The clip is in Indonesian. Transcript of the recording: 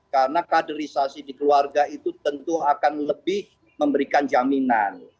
karena kaderisasi di keluarga itu tentu akan lebih memberikan jaminan